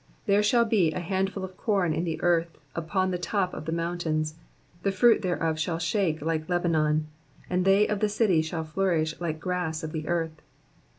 16 There shall be an handful of corn in the earth upon the top of the mountains ; the fruit thereof shall shake like Lebanon : and /Aej^ of the city shall flourish like grass of the earth.